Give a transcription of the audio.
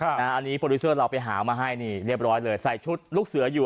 อันนี้โปรดิวเซอร์เราไปหามาให้นี่เรียบร้อยเลยใส่ชุดลูกเสืออยู่